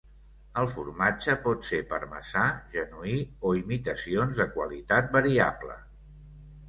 El formatge pot ser parmesà genuí, o imitacions de qualitat variable.